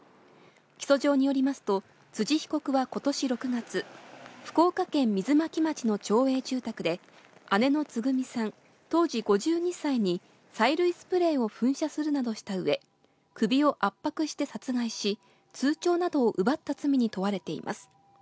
起訴状によりますと、辻被告はことし６月、福岡県水巻町の町営住宅で、姉のつぐみさん当時５２歳に、催涙スプレーを噴射するなどしたうえ、首を圧迫して殺害し、通帳などを奪った罪に問われています。